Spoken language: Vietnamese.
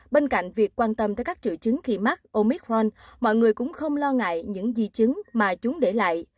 bên cạnh việc quan tâm tới các triệu chứng khi mắc omic ron mọi người cũng không lo ngại những di chứng mà chúng để lại